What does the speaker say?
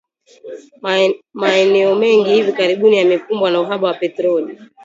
Maeneo mengi hivi karibuni yamekumbwa na uhaba wa petroli